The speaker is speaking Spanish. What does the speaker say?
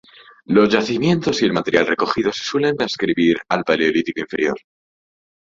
Los yacimientos y el material recogido se suelen adscribir al Paleolítico Inferior.